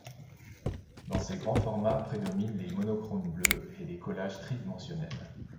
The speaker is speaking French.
Dans ses grands formats prédominent les monochromes bleus et les collages tridimentionnels.